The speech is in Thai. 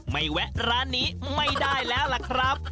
แวะร้านนี้ไม่ได้แล้วล่ะครับ